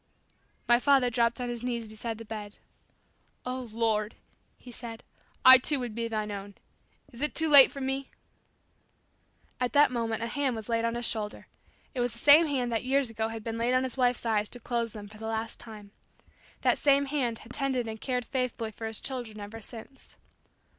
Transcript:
My father dropped on his knees beside the bed. "Oh, Lord," he said, "I, too, would be Thine own. Is it too late for me?" At that moment a hand was laid on his shoulder. It was the same hand that years ago had been laid on his wife's eyes to close them for the last time. That same hand had tended and cared faithfully for his children ever since.